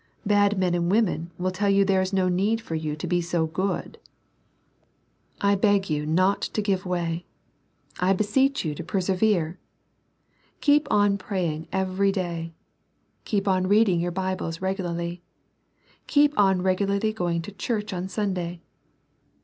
Bad men and women will tell you there is no need for you to he so good. LITTLE AND WISE. 59 I beg you not to give way. I beseech you to persevere. Keep on praying every day; keep on reading your Bibles regularly ; keep on regu larly going to church on Sunday.